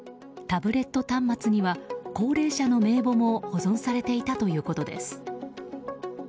タブレット端末には高齢者の名簿も保存されていたということです。